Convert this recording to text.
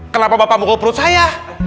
kenapa bapak mukul perut saya